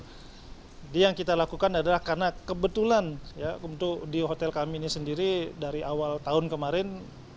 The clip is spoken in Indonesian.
jadi yang kita lakukan adalah karena kebetulan di hotel kami ini sendiri dari awal tahun kemarin